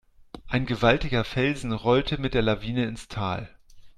Ein gewaltiger Felsen rollte mit der Lawine ins Tal.